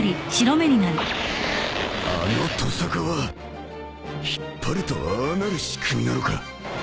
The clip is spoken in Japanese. あのトサカは引っ張るとああなる仕組みなのか